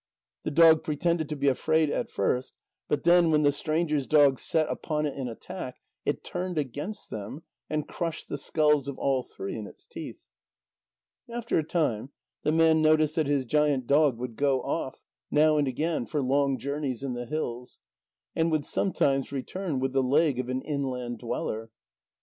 The dog pretended to be afraid at first, but then, when the stranger's dog set upon it in attack, it turned against them, and crushed the skulls of all three in its teeth. After a time, the man noticed that his giant dog would go off, now and again, for long journeys in the hills, and would sometimes return with the leg of an inland dweller.